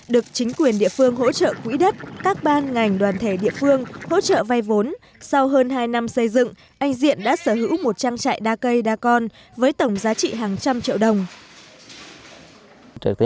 được chính quyền địa phương hỗ trợ quỹ đất các ban ngành đoàn thể địa phương hỗ trợ vai vốn sau hơn hai năm xây dựng anh diện đã sở hữu một trang trại đa cây đặc biệt